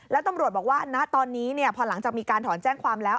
แล้วตำรวจบอกว่าณตอนนี้พอหลังจากมีการถอนแจ้งความแล้ว